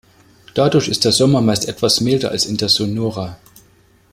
Dadurch ist der Sommer meist etwas milder als in der Sonora.